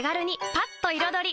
パッと彩り！